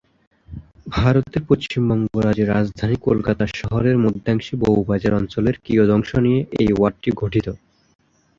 ভারতের পশ্চিমবঙ্গ রাজ্যের রাজধানী কলকাতা শহরের মধ্যাংশে বউবাজার অঞ্চলের কিয়দংশ নিয়ে এই ওয়ার্ডটি গঠিত।